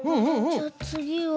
じゃつぎは。